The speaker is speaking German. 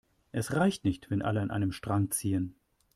Es reicht nicht, wenn alle an einem Strang ziehen.